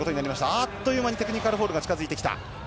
あっという間にテクニカルフォールが近付いてきた。